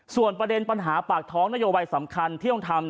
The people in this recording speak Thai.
ส่วนประเด็นปัญหาปากท้องนโยบายสำคัญที่ต้องทำ